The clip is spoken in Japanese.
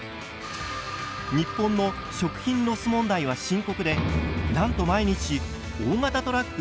日本の食品ロス問題は深刻でなんと毎日大型トラック